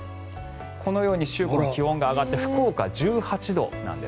このように気温が上がって福岡は１８度なんです。